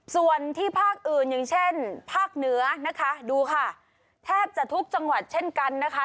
ส่วนที่ภาคอื่นอย่างเช่นภาคเหนือนะคะดูค่ะแทบจะทุกจังหวัดเช่นกันนะคะ